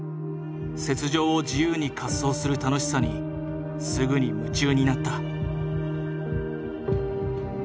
雪上を自由に滑走する楽しさにすぐに夢中になった。